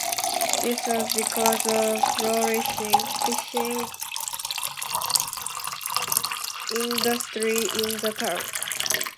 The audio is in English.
This was because of flourishing, fishing industry in the town.